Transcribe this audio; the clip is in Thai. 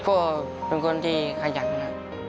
พ่อเป็นคนที่ขยันนะ